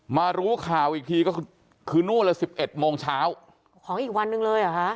มารู้ข่าวอีกทีก็คือนู่นเลยสิบเอ็ดโมงเช้าของอีกวันหนึ่งเลยเหรอคะ